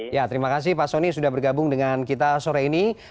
ya terima kasih pak soni sudah bergabung dengan kita sore ini